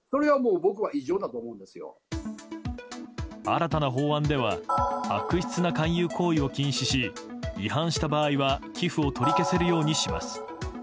新たな法案では悪質な勧誘行為を禁止し違反した場合は寄付を取り消せるようにします。